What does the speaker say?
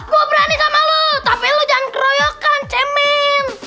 gua berani sama lu tapi lu jangan keroyokan cemil